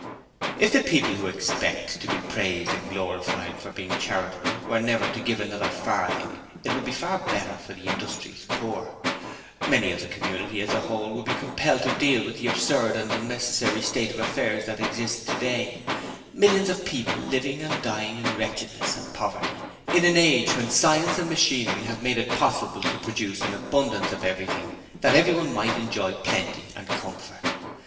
If the people who expect to be praised and glorified for being charitable were never to give another farthing it would be far better for the industrious poor, because then the community as a whole would be compelled to deal with the absurd and unnecessary state of affairs that exists today millions of people living and dying in wretchedness and poverty in an age when science and machinery have made it possible to produce such an abundance of everything that everyone might enjoy plenty and comfort.